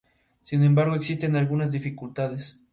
Sin embargo, existen algunas dificultades.